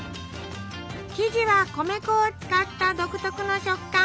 生地は米粉を使った独特の食感。